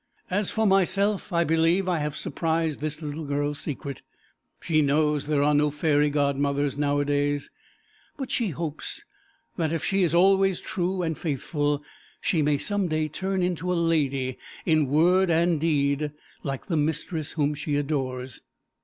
As for myself, I believe I have surprised this little girl's secret. She knows there are no fairy godmothers nowadays, but she hopes that if she is always true and faithful she may some day turn into a lady in word and deed, like the mistress whom she adores.